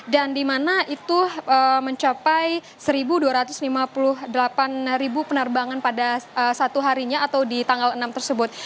dan di mana itu mencapai satu dua ratus lima puluh delapan penerbangan pada satu harinya atau di tanggal enam tersebut